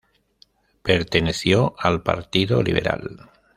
Perteneció al Partido Liberal.